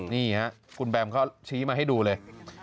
นี่ฮะคุณแบมเขาชี้มาให้ดูเลย